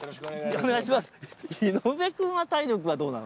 お願いします！